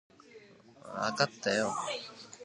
わかったよ